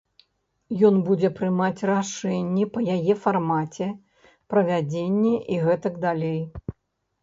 Ён будзе прымаць рашэнні па яе фармаце, правядзенні і гэтак далей.